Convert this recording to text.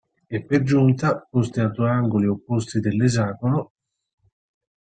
E per giunta posti a due angoli opposti dell'esagono…